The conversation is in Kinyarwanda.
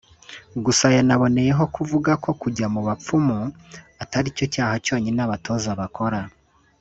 Gusa yaboneyeho kuvuga ko kujya mu bapfumu ataricyo cyaha cyonyine abatoza bakora